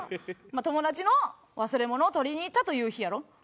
友達の忘れ物を取りに行ったという日やろ？